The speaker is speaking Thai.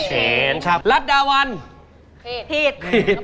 เขาเป็นลัดดาแลนด์